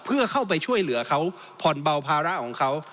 เพื่อเข้าไปช่วยเหลือเขาผ่อนเบาภาระของเขา